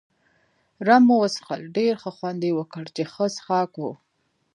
رم مو وڅښل، ډېر ښه خوند يې وکړ، چې ښه څښاک وو.